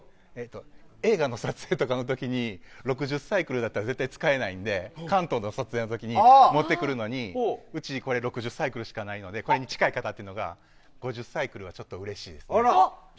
映画の撮影とかに６０サイクルだったら絶対使えないので関東の撮影の時に持ってくるのにうち、これ、６０サイクルしかないのでこれに近い型というのが５０サイクルはちょっとうれしいです。